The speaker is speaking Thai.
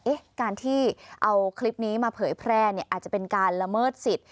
การที่เอาคลิปนี้มาเผยแพร่เนี่ยอาจจะเป็นการละเมิดสิทธิ